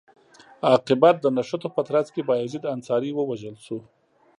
عاقبت د نښتو په ترڅ کې بایزید انصاري ووژل شو.